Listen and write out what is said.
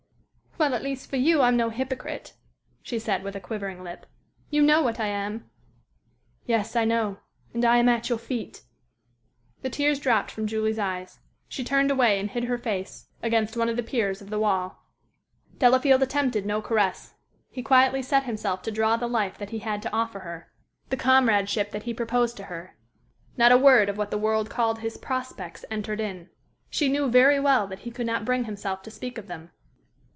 "Well, at least for you, I am no hypocrite," she said, with a quivering lip. "You know what I am." "Yes, I know, and I am at your feet." The tears dropped from Julie's eyes. She turned away and hid her face against one of the piers of the wall. Delafield attempted no caress. He quietly set himself to draw the life that he had to offer her, the comradeship that he proposed to her. Not a word of what the world called his "prospects" entered in. She knew very well that he could not bring himself to speak of them.